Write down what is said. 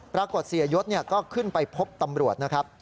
ปรากฏเสียยศก็ขึ้นไปพบตำรวจนะครับ